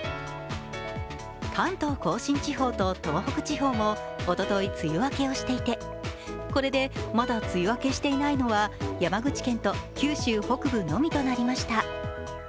関東甲信地方と東北地方もおととい、梅雨明けをしていてこれでまだ梅雨明けしていないのは山口県と九州北部のみとなりました。